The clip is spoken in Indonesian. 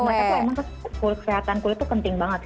mereka tuh emang kesukaan kulit kesehatan kulit tuh penting banget